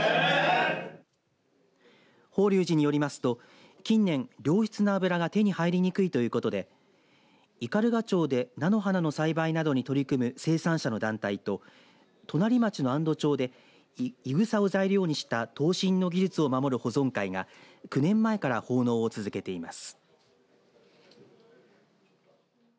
法隆寺によりますと、近年良質な油が手に入りにくいということで斑鳩町で菜の花の栽培などに取り組む生産者の団体と隣町の安堵町でいぐさを材料にした灯芯の技術を守る保存会が９年前から奉納を続けています。